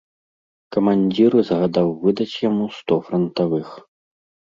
Камандзір загадаў выдаць яму сто франтавых.